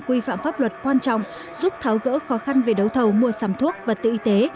quy phạm pháp luật quan trọng giúp tháo gỡ khó khăn về đấu thầu mua sắm thuốc vật tư y tế